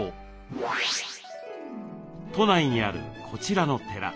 都内にあるこちらの寺。